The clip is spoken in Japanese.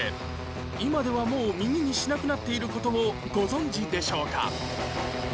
今ではもう耳にしなくなっている事もご存じでしょうか？